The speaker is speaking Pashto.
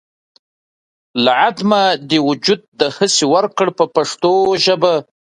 له عدمه دې وجود دهسې ورکړ په پښتو ژبه.